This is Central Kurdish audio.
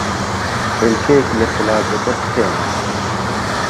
هێلکەیەک لە سەلاجەکە بھێنە.